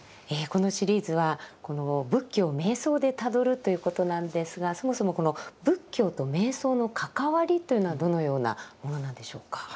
このシリーズは「仏教を瞑想でたどる」ということなんですがそもそもこの仏教と瞑想の関わりというのはどのようなものなんでしょうか。